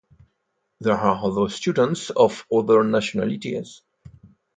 There are also students of other nationalities.